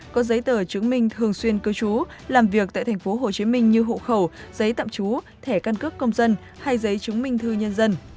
có giấy tờ chứng minh thường xuyên cư trú làm việc tại thành phố hồ chí minh như hộ khẩu giấy tạm trú thẻ căn cước công dân hay giấy chứng minh thư nhân dân